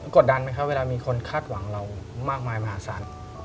กดดันไหมครับเวลามีคนคาดหวังเรามากมายมหาศาล